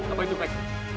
apa itu pak